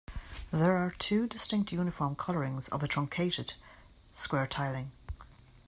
There are two distinct uniform colorings of a truncated square tiling.